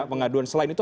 pengaduan selain itu